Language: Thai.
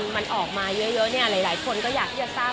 มันออกมาเยอะหลายคนก็อยากที่จะทราบ